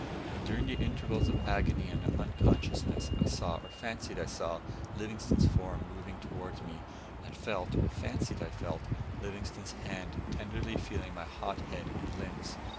And during the intervals of agony and unconsciousness, I saw, or fancied I saw, Livingstone's form moving towards me, and felt, or fancied I felt, Livingstone's hand tenderly feeling my hot head and limbs.